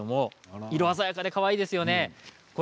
色鮮やかでかわいいですよね。